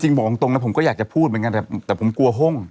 บอกตรงนะผมก็อยากจะพูดเหมือนกันแต่ผมกลัวห้อง